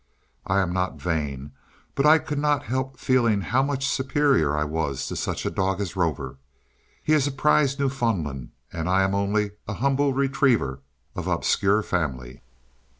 I am not vain, but I could not help feeling how much superior I was to such a dog as Rover. He is a prize Newfoundland, and I am only a humble retriever of obscure family.